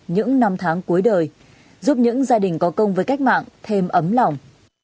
những năm tháng cuối đời giúp những gia đình có công với cách mạng thêm ấm lòng